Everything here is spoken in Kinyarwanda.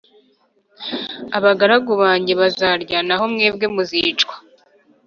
abagaragu banjye bazarya naho mwebwe muzicwa